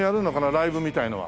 ライブみたいのは。